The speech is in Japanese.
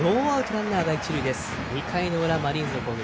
２回の裏、マリーンズの攻撃。